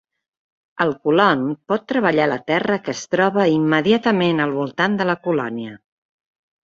El colon pot treballar la terra que es troba immediatament al voltant de la colònia.